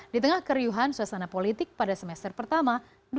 di tengah keriuhan suasana politik pada semester pertama dua ribu dua puluh